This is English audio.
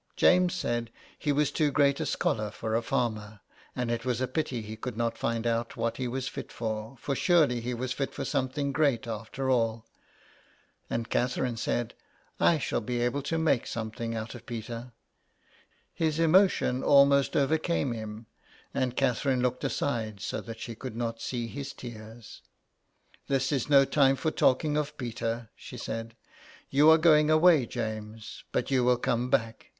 James said he was too great a scholar for a farmer, and it was a pity he could not find out what he was fit for — for surely he was fit for something great after all. And Catherine said :*' I shall be able to make something out of Peter." His emotion almost overcame him, and Catherine looked aside so that she should not see his tears. *' This is no time for talking of Peter/' she said. *'You are going away, James, but you will come back.